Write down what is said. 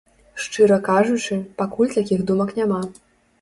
Шчыра кажучы, пакуль такіх думак няма.